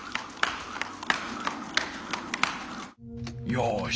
よし。